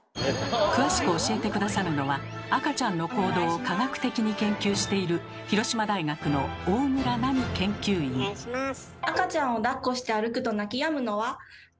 詳しく教えて下さるのは赤ちゃんの行動を科学的に研究しているえそうなんですか？